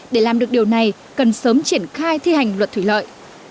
để làm được điều này cần sớm triển khai thi hành luật thủy lợi